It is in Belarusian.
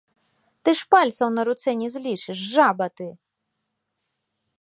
Ты ж пальцаў на руцэ не злічыш, жаба ты!